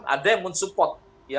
ada yang men support